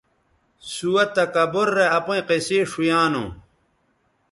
سُوہ تکبُر رے اپئیں قصے ݜؤیانوں